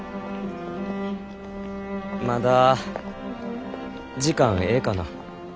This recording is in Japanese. まだ時間ええかな？